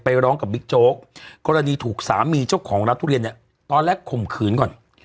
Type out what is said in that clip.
ร้องกับบิ๊กโจ๊กกรณีถูกสามีเจ้าของร้านทุเรียนเนี่ยตอนแรกข่มขืนก่อน